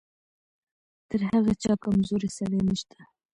تر هغه چا کمزوری سړی نشته.